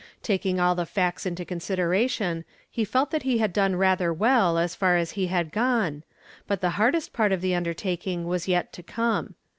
Taking all the facts into consideration, he felt that he had done rather well as far as he had gone, but the hardest part of the undertaking was yet to come.